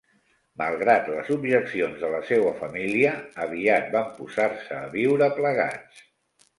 Malgrat les objeccions de la seua família, aviat van posar-se a viure plegats.